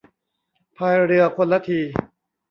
พายเรือคนละที